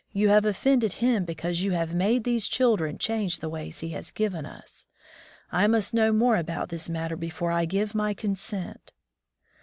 You have oflFended Him, because you have made these children change the ways he has given us. I must know more about this matter before I give my consent.